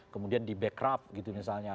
kemudian di backup gitu misalnya